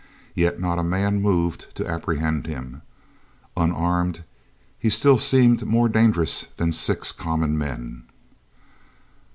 Yet not a man moved to apprehend him. Unarmed he still seemed more dangerous than six common men.